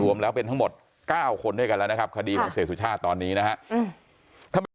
รวมแล้วเป็นทั้งหมด๙คนด้วยกันแล้วนะครับคดีของเสียสุชาติตอนนี้นะครับ